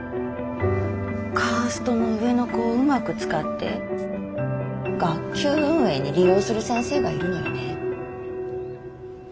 カーストの上の子をうまく使って学級運営に利用する先生がいるのよね。